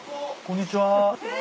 こんにちは。